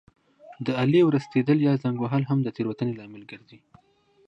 د آلې ورستېدل یا زنګ وهل هم د تېروتنې لامل ګرځي.